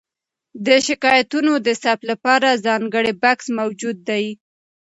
د شکایتونو د ثبت لپاره ځانګړی بکس موجود دی.